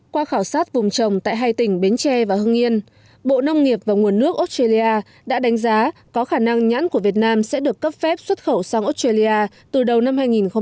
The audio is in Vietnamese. qua khảo sát vùng trồng tại hai tỉnh bến tre và hưng yên bộ nông nghiệp và nguồn nước australia đã đánh giá có khả năng nhãn của việt nam sẽ được cấp phép xuất khẩu sang australia từ đầu năm hai nghìn một mươi chín